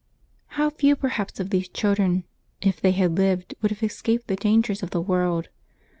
— How few perhaps of these children, if they had lived, would have escaped the dangers of the world!